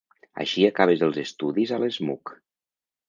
Així acabes els estudis a l'ESMUC.